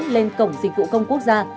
lên cổng dịch vụ công quốc gia